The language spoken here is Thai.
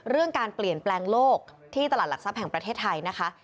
เรื่องการเปลี่ยนแปลงโลกที่ตลาดหลักทรัพย์แห่งประเทศไทยนะคะ